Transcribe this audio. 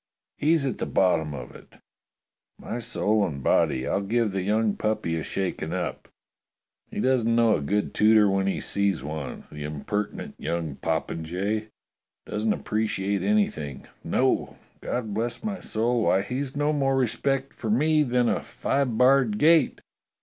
He's at the bottom of it. My soul and body, I'll give the young puppy a shaking up. 224 DOCTOR SYN HAS A "CALL" 225 He doesn't know a good tutor when he sees one. The impertinent young popinjay! Doesn't appreciate any thing. No! God bless my soul, why he's no more respect for me than a five barred gate.